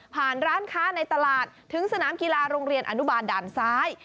ร้านค้าในตลาดถึงสนามกีฬาโรงเรียนอนุบาลด่านซ้าย